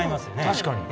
確かに。